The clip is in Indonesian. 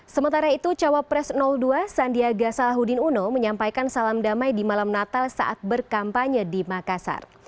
sementara itu cawapres dua sandiaga salahuddin uno menyampaikan salam damai di malam natal saat berkampanye di makassar